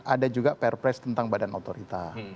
ada juga perpres tentang badan otorita